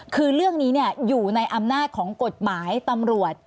คือเรื่องนี้อยู่ในอำนาจของกฎหมายตำรวจ